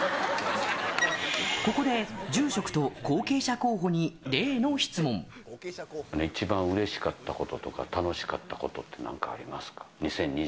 ここで住職と後継者候補に例一番うれしかったこととか、楽しかったことってなんかありますか？